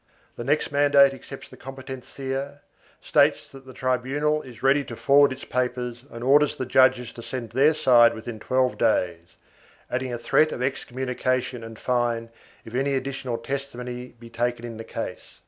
The next mandate accepts the competencia, states that the tribunal is ready to forward its papers and orders the judges to send their side within twelve days, adding a threat of excommunication and fine if any addi tional testimony be taken in the case.